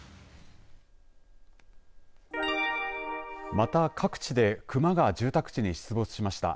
また各地で熊が住宅地に出没しました。